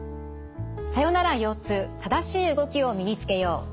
「さよなら腰痛正しい動きを身につけよう」。